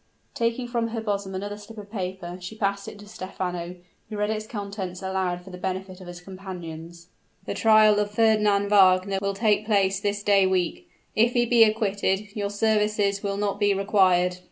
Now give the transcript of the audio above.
Taking from her bosom another slip of paper, she passed it to Stephano, who read its contents aloud for the benefit of his companions "The trial of Fernand Wagner will take place this day week. If he be acquitted, your services will not be required.